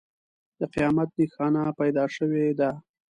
د قیامت نښانه پیدا شوې ده.